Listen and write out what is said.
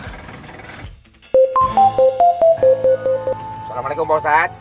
assalamu'alaikum pak ustadz